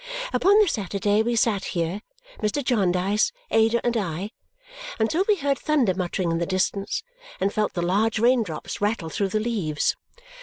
Upon the Saturday we sat here, Mr. Jarndyce, Ada, and I, until we heard thunder muttering in the distance and felt the large raindrops rattle through the leaves.